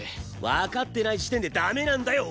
わかってない時点で駄目なんだよ